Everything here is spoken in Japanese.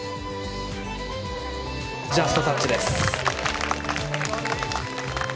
ジャストタッチです。